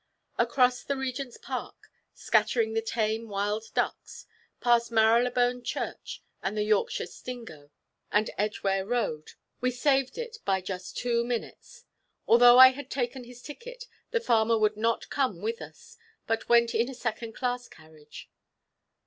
Across the Regent's Park, scattering the tame wild ducks, past Marylebone Church, and the Yorkshire Stingo, and Edgware Road we saved it by just two minutes. Although I had taken his ticket, the farmer would not come with us, but went in a second class carriage.